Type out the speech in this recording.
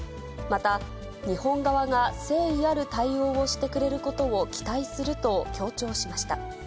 また、日本側が誠意ある対応をしてくれることを期待すると強調しました。